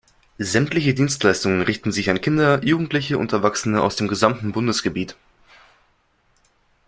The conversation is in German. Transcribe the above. Sämtliche Dienstleistungen richten sich an Kinder, Jugendliche und Erwachsene aus dem gesamten Bundesgebiet.